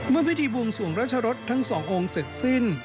พิธีบวงสวงราชรสทั้งสององค์เสร็จสิ้น